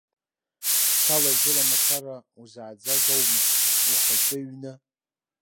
Цәала-жьыла мацара узааӡаз аума, ухатәы ҩны?